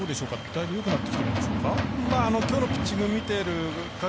だいぶよくなってきてるんでしょうか。